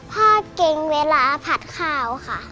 พ่อเก่งเวลาผัดข้าวค่ะ